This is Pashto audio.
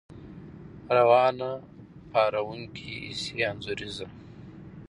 روانه، پارونکې، ، حسي، انځوريزه